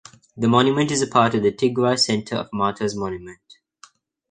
The monument is a part of the Tigrai Centre of Martyrs Monument.